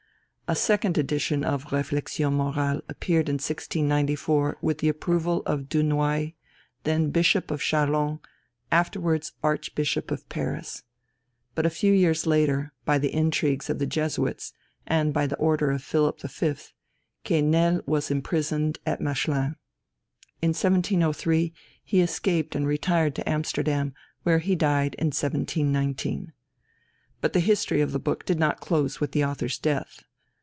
A second edition of Réflexions Morales appeared in 1694 with the approval of De Noailles, then Bishop of Châlons, afterwards Archbishop of Paris. But a few years later, by the intrigues of the Jesuits, and by the order of Philip V., Quesnel was imprisoned at Mechlin. In 1703 he escaped and retired to Amsterdam, where he died in 1719. But the history of the book did not close with the author's death.